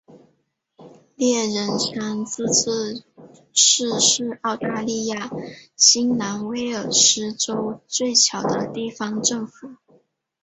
猎人山自治市是澳大利亚新南威尔斯州最小的地方政府。